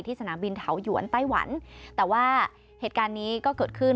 สนามบินเถาหยวนไต้หวันแต่ว่าเหตุการณ์นี้ก็เกิดขึ้น